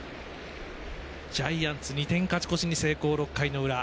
ジャイアンツ２点勝ち越しに成功、６回裏。